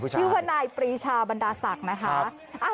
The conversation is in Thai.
ชื่อว่านายปรีชาบรรดาศักดิ์นะคะ